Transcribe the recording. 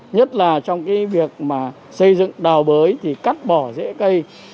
nhất là trong cái việc mà xây dựng đào bới thì cắt bỏ dễ cây